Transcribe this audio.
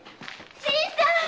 新さん！